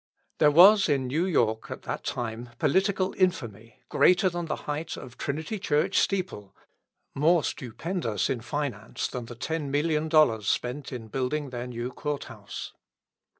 There was in New York at that time political infamy greater than the height of Trinity Church steeple, more stupendous in finance than the $10,000,000 spent in building their new Court House.